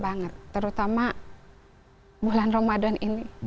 banget pak banget terutama bulan ramadan ini